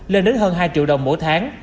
lên đến hơn hai triệu đồng mỗi tháng